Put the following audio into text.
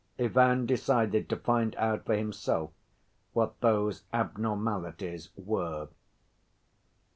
Ivan decided to find out for himself what those abnormalities were.